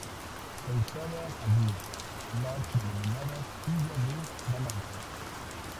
Se instalan allí las denominadas Quilla de balance.